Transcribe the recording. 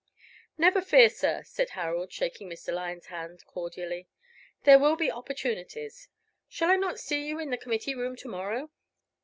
"Never fear, sir," said Harold, shaking Mr. Lyon's hand cordially, "there will be opportunities. Shall I not see you in the committee room to morrow?"